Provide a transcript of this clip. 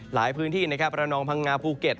หลายพื้นที่ประนองพังงาภูเก็ต